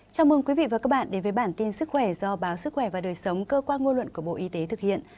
chào mừng quý vị và các bạn đến với bản tin sức khỏe do báo sức khỏe và đời sống cơ quan ngôn luận của bộ y tế thực hiện